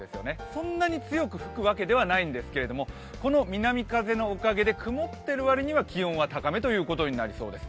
そんなに強く吹くわけではないんですけど、この南風のおかげで曇っている割りには気温は高めということになりそうです。